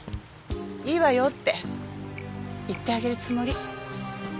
いいわよ」って言ってあげるつもり。